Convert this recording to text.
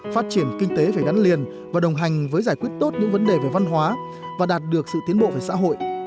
phát triển kinh tế phải gắn liền và đồng hành với giải quyết tốt những vấn đề về văn hóa và đạt được sự tiến bộ về xã hội